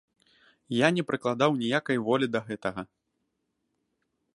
Я не прыкладаў ніякай волі да гэтага.